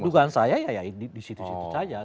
dugaan saya ya di situ situ saja